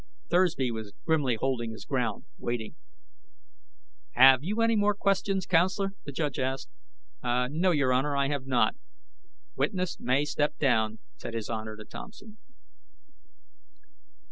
Thursby was grimly holding his ground, waiting. "Have you any more questions, counselor?" the judge asked. "No, Your Honor, I have not." "Witness may step down," said his honor to Thompson.